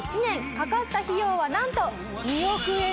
かかった費用はなんと２億円です。